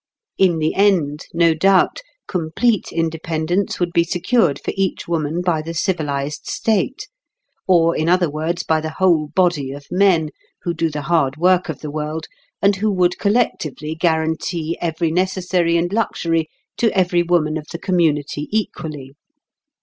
In the end, no doubt, complete independence would be secured for each woman by the civilised state, or in other words by the whole body of men, who do the hard work of the world, and who would collectively guarantee every necessary and luxury to every woman of the community equally.